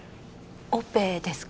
オペですか？